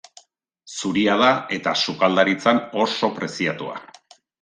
Zuria da eta sukaldaritzan oso preziatua.